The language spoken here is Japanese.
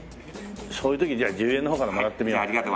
そういう時じゃあ１０円の方からもらってみよう。